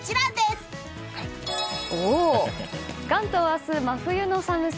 関東は明日、真冬の寒さ。